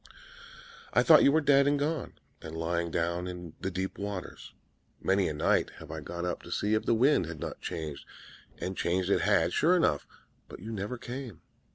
'I thought you were dead and gone, and lying down in the deep waters. Many a night have I got up to see if the wind had not changed: and changed it had, sure enough; but you never came.